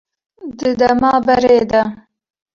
Di dema berê de